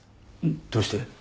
どうして？